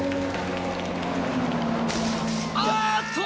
あーっと！